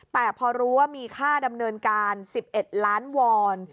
แต่พอรู้ว่ามีค่าดำเนินการ๑๑ล้านวอน